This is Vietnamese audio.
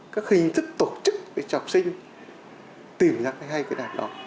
các hình thức tổ chức cho học sinh tìm ra cái hay cái đạt đó